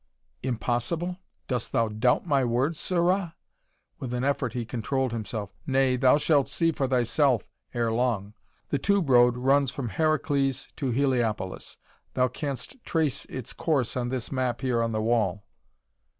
"Impossible? Dost doubt my words, sirrah?" With an effort he controlled himself. "Nay, thou shalt see for thyself ere long. The tube road runs from Heracles to Heliopolis. Thou canst trace its course on this map here on the wall."